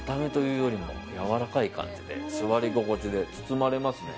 やわらかい感じで座り心地で、包まれますね。